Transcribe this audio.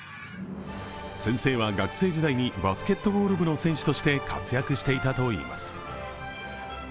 先生は学生時代にバスケットボール部の選手として活躍していたといいます。